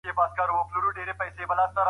عملي کارونه محدود وي.